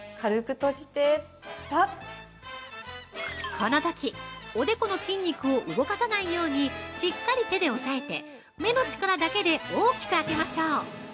◆このとき、おでこの筋肉を動かさないようにしっかり手で押さえて目の力だけで大きく開けましょう。